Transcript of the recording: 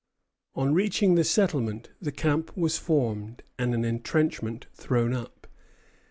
On reaching the settlement the camp was formed and an entrenchment thrown up.